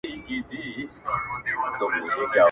پر محراب به مي د زړه هغه امام وي,